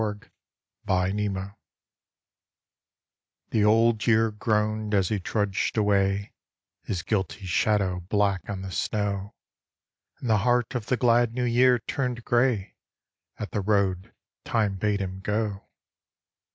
BLOOD ROAD THE Old Year groaned as he trudged away, His guilty shadow black on the snow, And the heart of the glad New Year turned grey At the road Time bade him go.